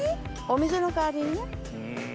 お水の代わりにね。